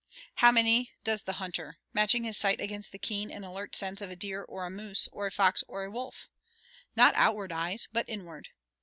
how many does the hunter, matching his sight against the keen and alert sense of a deer or a moose, or a fox or a wolf? Not outward eyes, but inward.